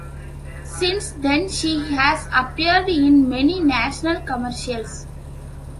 Since then she has appeared in many national commercials.